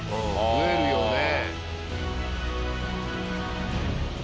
増えるよね。